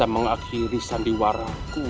dan mengakhiri sandiwaraku